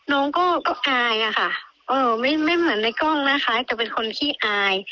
น้องก็อายอะค่ะไม่เหมือนในกล้องนะคะแต่เป็นคนขี้อาย